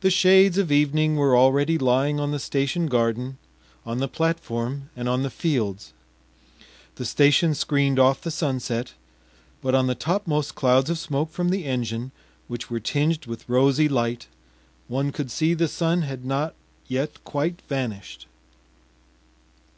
The shades of evening were already lying on the station garden, on the platform, and on the fields; the station screened off the sunset, but on the topmost clouds of smoke from the engine, which were tinged with rosy light, one could see the sun had not yet quite vanished.